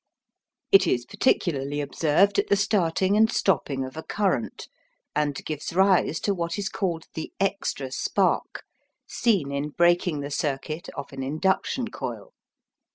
It is particularly observed at the starting and stopping of a current, and gives rise to what is called the "extra spark" seen in breaking the circuit of an induction coil.